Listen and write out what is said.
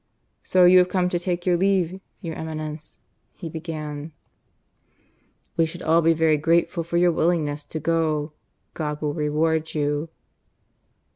"So you have come to take your leave, your Eminence?" he began. "We should all be very grateful for your willingness to go. God will reward you."